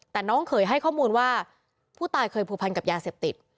แต่น้องเขยให้ข้อมูลว่าผู้ตายเคยผูกพันกับยาเสพติด